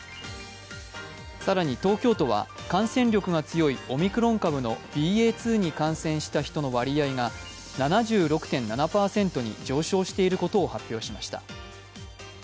更に東京都は感染力が強いオミクロン株のＢＡ．２に感染した人の割合が７６．７％に上昇していることを発表しました。